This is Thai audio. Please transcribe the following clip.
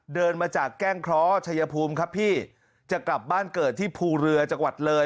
เดินมาจากแก้งเคราะห์ชัยภูมิครับพี่จะกลับบ้านเกิดที่ภูเรือจังหวัดเลย